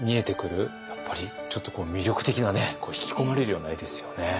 やっぱりちょっとこう魅力的な引き込まれるような絵ですよね。